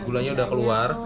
gulanya sudah keluar